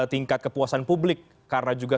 tingkat kepuasan publik karena juga